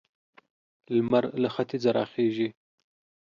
لمر له ختيځه را خيژي.